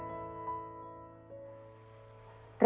จะขอพบคุณผู้ชาย